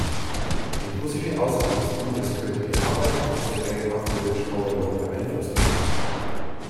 Die russische Ausgabe des Buches könnte die Arbeiten von Sergei Pawlowitsch Koroljow beeinflusst haben.